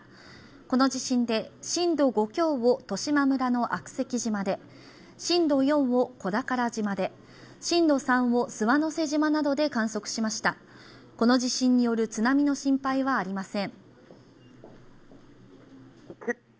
この地震で震度５強を十島村の悪石島で震度４を小宝島で震度３を諏訪之瀬島などで観測しましたこの地震による津波の心配はありません